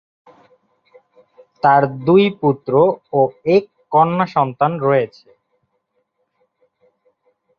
তার দুই পুত্র ও এক কন্যা সন্তান রয়েছে।